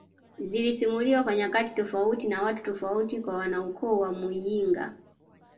zilisimuliwa kwa nyakati tofauti na watu tofauti kwa wanaukoo wa muyinga